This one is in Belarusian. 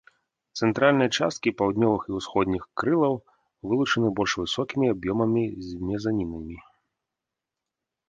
Цэнтральныя часткі паўднёвых і ўсходніх крылаў вылучаны больш высокімі аб'ёмамі з мезанінамі.